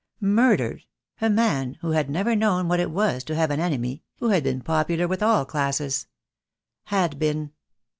Murdered — a man who had never known what it was to have an enemy, who had been popular with all classes! Had been!